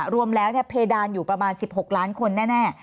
รวมแล้วเพดานอยู่ประมาณ๑๖ล้านคนแน่